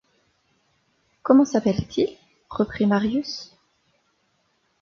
Comment s’appelle-t-il ? reprit Marius.